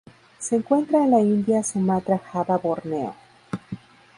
Se encuentra en la India Sumatra Java Borneo.